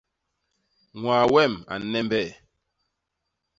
Ñwaa wem a nnembee.